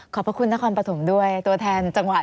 พระคุณนครปฐมด้วยตัวแทนจังหวัด